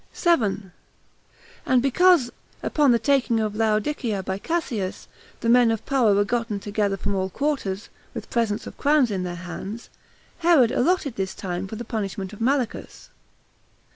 7. And because, upon the taking of Laodicea by Cassius, the men of power were gotten together from all quarters, with presents and crowns in their hands, Herod allotted this time for the punishment of Malichus.